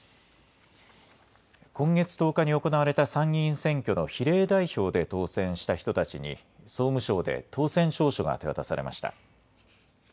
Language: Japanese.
今月１０日に行われた参議院選挙の比例代表で当選した人たちに、総務省で当選証書が手渡されました。